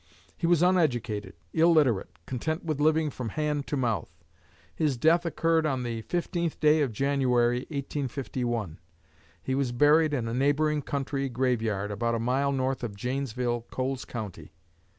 He was uneducated, illiterate, content with living from hand to mouth. His death occurred on the fifteenth day of January, 1851. He was buried in a neighboring country graveyard, about a mile north of Janesville, Coles County.